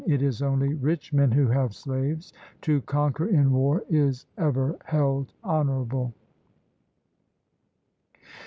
It is only rich men who have slaves. To conquer in war is ever held honourable.'